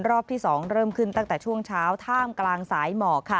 รอบที่๒เริ่มขึ้นตั้งแต่ช่วงเช้าท่ามกลางสายหมอกค่ะ